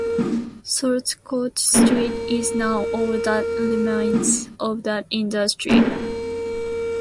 "Saltcote Street" is now all that remains of that industry.